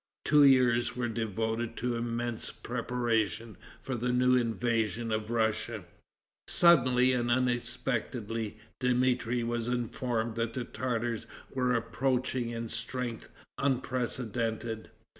Two years were devoted to immense preparations for the new invasion of Russia. Suddenly and unexpectedly, Dmitri was informed that the Tartars were approaching in strength unprecedented.